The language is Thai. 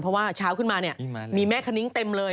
เพราะว่าเช้าขึ้นมาเนี่ยมีแม่คณิ้งเต็มเลย